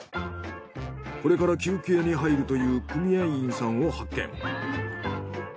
これから休憩に入るという組合員さんを発見。